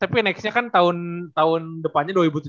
tapi nextnya kan tahun depannya dua ribu tujuh belas